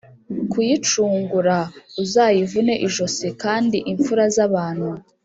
Kuyicungura uzayivune ijosi kandi imfura z abantu